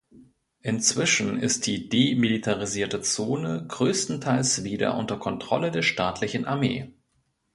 Inzwischen ist die „demilitarisierte Zone“ größtenteils wieder unter Kontrolle der staatlichen Armee.